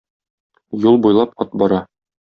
Юл буйлап ат бара.